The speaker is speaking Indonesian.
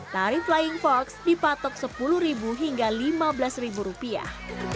tarif flying fox dipatok sepuluh hingga lima belas rupiah